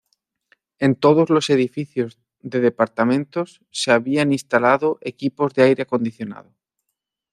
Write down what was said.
En todos los edificios de departamentos se habían instalado equipos de aire acondicionado.